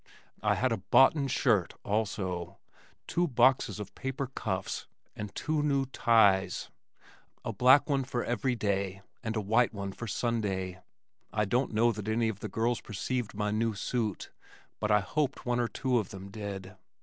I had a "boughten" shirt also, two boxes of paper cuffs, and two new ties, a black one for every day and a white one for Sunday. I don't know that any of the girls perceived my new suit, but I hoped one or two of them did.